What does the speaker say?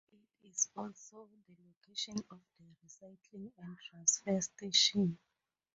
It is also the location of the recycling and transfer station.